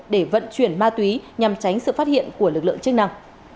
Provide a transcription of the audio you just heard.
để vận chuyển ma túy nhằm tránh sự phát hiện của lực lượng chức năng